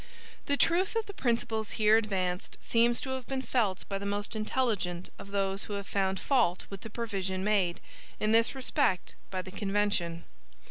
The truth of the principles here advanced seems to have been felt by the most intelligent of those who have found fault with the provision made, in this respect, by the convention.